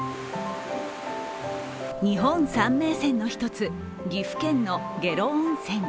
日本三名泉の１つ、岐阜県の下呂温泉。